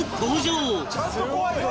ちゃんと怖いぞ！